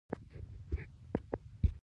تر څو خپل استعدادونه وپیژني.